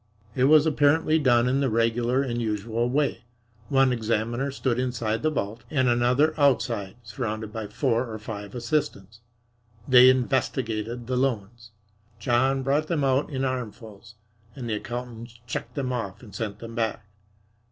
It was apparently done in the regular and usual way. One examiner stood inside the vault and another outside, surrounded by four or five assistants. They "investigated" the loans. John brought them out in armfuls and the accountants checked them off and sent them back.